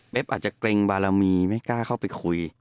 อาจจะเกรงบารมีไม่กล้าเข้าไปคุย